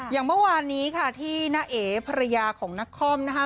อย่างเมื่อวานนี้ค่ะที่น้าเอ๋ภรรยาของนักคอมนะคะ